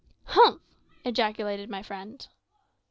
"Humph!" ejaculated my friend.